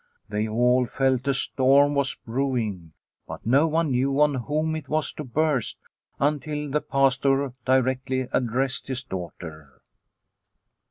They all felt a storm was brewing, but no one knew on whom it was to burst until the Pastor directly addressed his daughter.